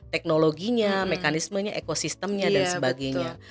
teknologinya mekanismenya ekosistemnya dan sebagainya